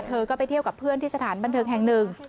เธอก็ไปเที่ยวกับเพื่อนที่สถานบันเทิงแห่งหนึ่ง